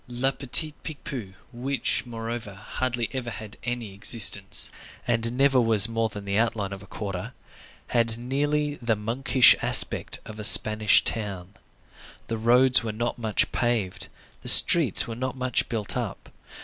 Le Petit Picpus, which, moreover, hardly ever had any existence, and never was more than the outline of a quarter, had nearly the monkish aspect of a Spanish town. The roads were not much paved; the streets were not much built up.